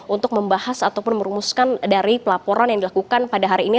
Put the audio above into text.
untuk membahas ataupun merumuskan dari pelaporan yang dilakukan pada hari ini